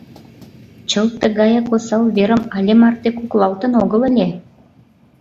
Чылт тыгаяк осал верым але марте куклалтын огыл ыле.